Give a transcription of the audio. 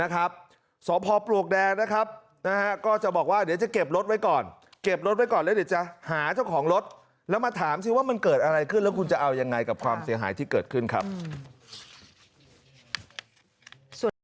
สพปลวกแดงนะครับก็จะบอกว่าเดี๋ยวจะเก็บรถไว้ก่อนเก็บรถไว้ก่อนแล้วเดี๋ยวจะหาเจ้าของรถแล้วมาถามสิว่ามันเกิดอะไรขึ้นแล้วคุณจะเอายังไงกับความเสียหายที่เกิดขึ้นครับ